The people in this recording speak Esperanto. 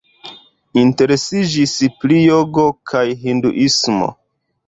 Interesiĝis pri jogo kaj hinduismo.